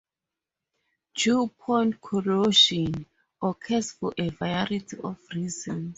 Dew point corrosion occurs for a variety of reasons.